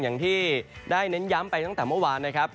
อย่างที่ได้เน้นย้ำไปตั้งแต่เมื่อวานนะครับ